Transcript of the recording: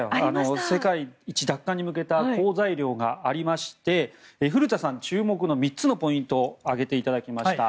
世界一奪還に向けた好材料がありまして古田さん注目の３つのポイントを挙げていただきました。